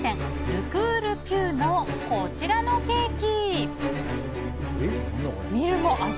ルクールピューのこちらのケーキ！